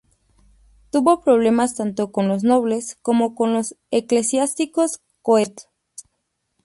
Tuvo problemas tanto con los nobles como con los eclesiásticos coetáneos.